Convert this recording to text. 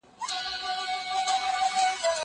زه اوس اوبه پاکوم؟